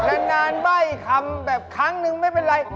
นานใบ้คำแบบครั้งนึงไม่เป็นไร